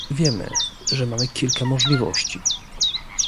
Wiemy, że mamy kilka możliwości